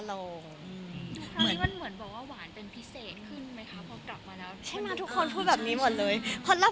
อันนี้มันเหมือนว่าหวานเป็นพิเศษขึ้นไหมครับ